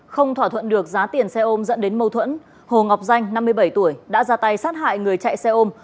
không thỏa thuận được giá tiền xe ôm dẫn đến mâu thuẫn hồ ngọc danh năm mươi bảy tuổi đã ra tay sát hại người chạy xe ôm